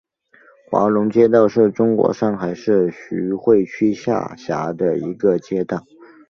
龙华街道是中国上海市徐汇区下辖的一个街道。